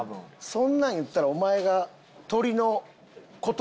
そんなん言ったらお前が。